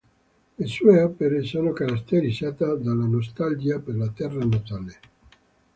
Le sue opere sono caratterizzate dalla nostalgia per la terra natale.